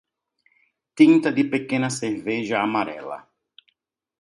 Tinta de pequena cerveja amarela.